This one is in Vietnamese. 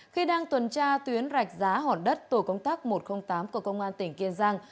khi đang tuần tra tuyến rạch giá hỏn đất tổ công tác một trăm linh tám của công an tỉnh kiên giang